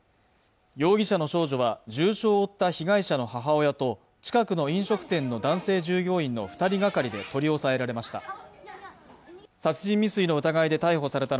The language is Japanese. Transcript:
容疑者の少女は、重傷を負った被害者の母親と、近くの飲食店の男性従業員の２人がかりで取り押さえられました。